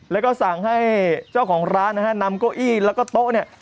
แล้วก็สั่งให้เจ้าของร้านนะฮะนำเก้าอี้แล้วก็โต๊ะเนี่ย